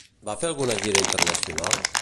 Va fer alguna gira internacional?